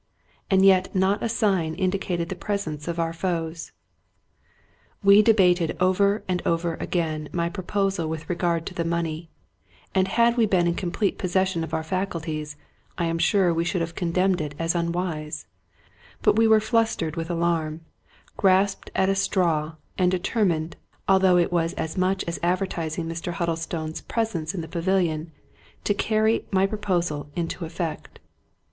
And yet not a sign indi cated the presence of our foes. We debated over and over again my proposal with regard to the money; and had we been in complete possession of our faculties, I am sure we should have condemned it as unwise; but we were flustered with alarm, grasped at a straw, and determined, although it was as much as adver tising Mr. Huddlestone's presence in the pavilion, to carry my proposal into effect.